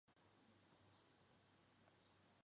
唐迪人口变化图示